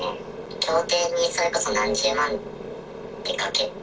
競艇にそれこそ何十万って賭ける。